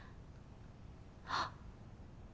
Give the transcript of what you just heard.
あっ。